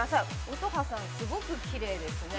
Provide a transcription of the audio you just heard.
乙葉さん、すごくきれいですね。